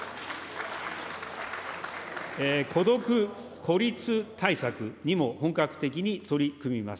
孤独・孤立対策にも本格的に取り組みます。